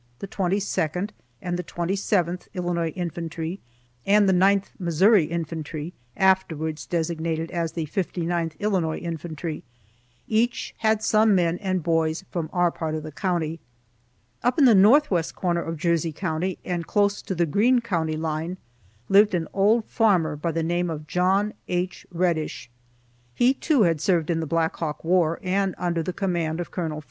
The 22nd and the 27th Illinois Infantry and the 9th Missouri Infantry, (afterwards designated as the 59th Illinois Infantry,) each had some men and boys from our part of the county. Up in the northwest corner of Jersey County and close to the Greene county line lived an old farmer by the name of John H. Reddish. He, too, had served in the Black Hawk War, and under the command of Col.